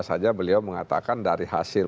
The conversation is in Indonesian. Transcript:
saja beliau mengatakan dari hasil